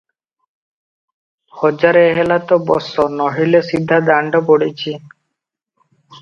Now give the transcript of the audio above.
ହଜାରେ ହେଲା ତ ବସ, ନୋହିଲେ, ସିଧା ଦାଣ୍ଡ ପଡ଼ିଛି ।